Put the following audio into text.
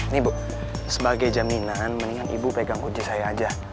ini bu sebagai jaminan mendingan ibu pegang kunci saya aja